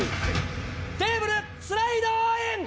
テーブルスライドイン！